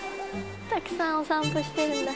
たくさんお散歩してるんだ。